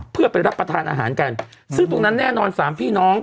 เพื่อไปรับประทานอาหารกันซึ่งตรงนั้นแน่นอนสามพี่น้อง